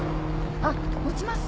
あっ持ちます。